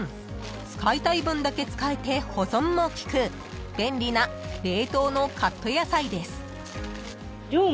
［使いたい分だけ使えて保存も利く便利な冷凍のカット野菜です］